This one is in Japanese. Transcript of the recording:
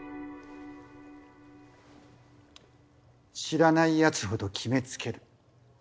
知らないやつほど決め付ける。